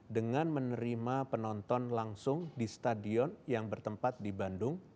dengan menerima penonton langsung di stadion yang bertempat di bandung